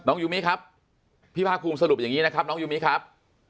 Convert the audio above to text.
ยูมิครับพี่ภาคภูมิสรุปอย่างนี้นะครับน้องยูมิครับ